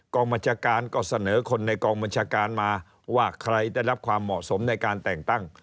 บัญชาการก็เสนอคนในกองบัญชาการมาว่าใครได้รับความเหมาะสมในการแต่งตั้ง